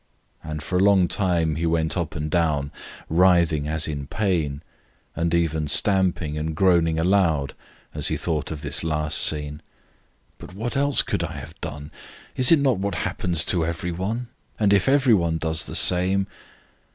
And for a long time he went up and down writhing as in pain, and even stamping and groaning aloud as he thought of this last scene. "But what else could I have done? Is it not what happens to every one? And if every one does the same